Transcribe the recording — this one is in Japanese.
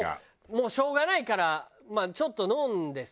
もうしょうがないからちょっと飲んでさ。